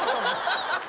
ハハハハ！